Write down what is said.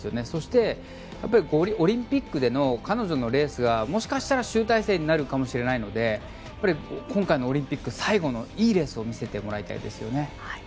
そして、オリンピックでの彼女のレースがもしかしたら集大成になるかもしれないので今回のオリンピック最後のいいレースを見せてもらいたいですよね。